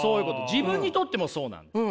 自分にとってもそうなんです。